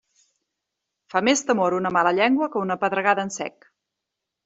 Fa més temor una mala llengua que una pedregada en sec.